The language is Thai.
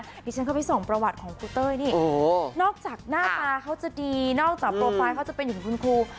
เดี๋ยวฉันเข้าไปส่งประวัติของครูเต้ยนี่นอกจากหน้าตาเขาจะดีนอกจากโปรไฟล์เขาจะเป็นถึงคุณครู